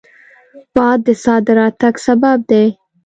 باد د سا د راتګ سبب دی